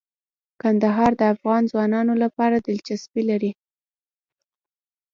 کندهار د افغان ځوانانو لپاره دلچسپي لري.